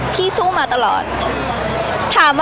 พี่ตอบได้แค่นี้จริงค่ะ